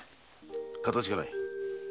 かたじけない。